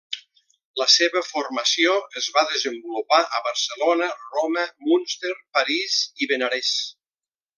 La seva formació es va desenvolupar a Barcelona, Roma, Münster, París i Benarés.